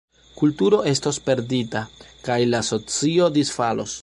Kulturo estos perdita, kaj la socio disfalos.